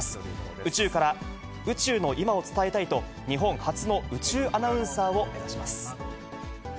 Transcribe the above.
宇宙から、宇宙の今を伝えたいと、日本初の宇宙アナウンサーを目指します。